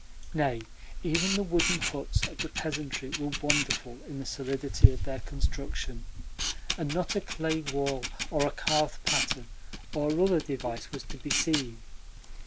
Nay, even the wooden huts of the peasantry were wonderful in the solidity of their construction, and not a clay wall or a carved pattern or other device was to be seen.